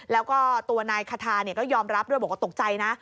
แล้วก็ตัวนายคาทาก็ยอมรับด้วยบอกว่าตกใจนะ